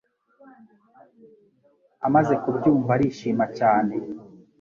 Amaze kubyumva, arishima cyane